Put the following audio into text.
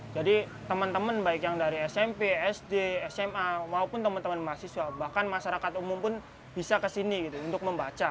jadi teman teman baik yang dari smp sd sma maupun teman teman mahasiswa bahkan masyarakat umum pun bisa ke sini untuk membaca